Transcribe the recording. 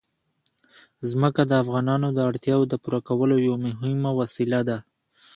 ځمکه د افغانانو د اړتیاوو د پوره کولو یوه مهمه وسیله ده.